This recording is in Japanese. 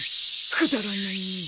くだらないね。